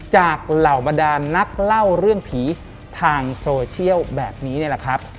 เหล่าบรรดานนักเล่าเรื่องผีทางโซเชียลแบบนี้นี่แหละครับ